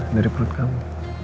dari perut kamu